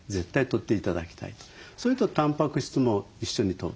それとたんぱく質も一緒にとると。